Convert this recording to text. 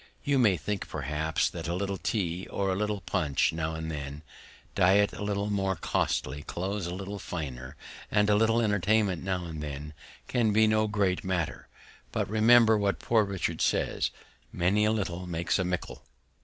You may think perhaps, that a little Tea, or a little Punch now and then, Diet a little more costly, Clothes a little finer, and a little Entertainment now and then, can be no great Matter; but remember what Poor Richard says, _Many a Little makes a Mickle.